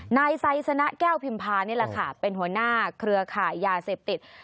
นายไซสนะแก้วพิมพานี่แหละค่ะเป็นหัวหน้าเครือข่ายยาเสพติด